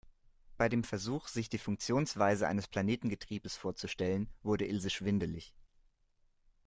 Bei dem Versuch, sich die Funktionsweise eines Planetengetriebes vorzustellen, wurde Ilse schwindelig.